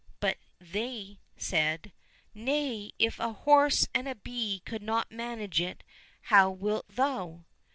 — But they said, " Nay, if a horse and a bee could not manage it, how wilt thou